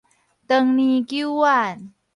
長年久遠